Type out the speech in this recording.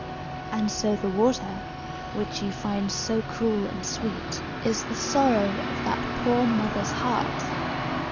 And so the water, which you find so cool and sweet, is the sorrow of that poor mother's heart!"